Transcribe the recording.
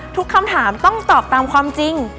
ทุกคำถามต้องตอบตามความจริง